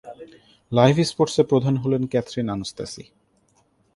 Live স্পোর্টসের প্রধান হলেন ক্যাথরিন আনস্তাসী।